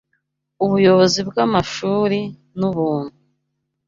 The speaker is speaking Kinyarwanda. UBUYOBOZI BW'AMASHURI N'UBUNTU